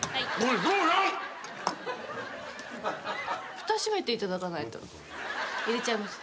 ふた閉めていただかないと入れちゃいます。